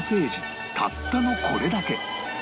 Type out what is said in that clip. たったのこれだけ